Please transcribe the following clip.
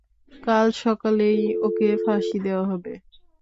কাল সকালেই ওকে ফাঁসি দেয়া হবে।